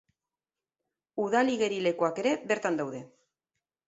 Udal igerilekuak ere bertan daude.